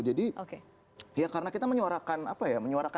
jadi ya karena kita menyuarakan kritikan kita pendidikan kita